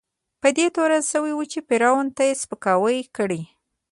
په دې تورن شوی و چې پېرون ته یې سپکاوی کړی.